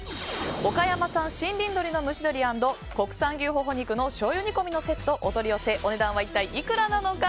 岡山産森林鶏の蒸し鶏＆国産牛ほほ肉の醤油煮込みセットお取り寄せお値段は一体いくらなのか。